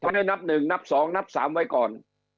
ถ้าได้นับหนึ่งนับสองนับสามไว้ก่อน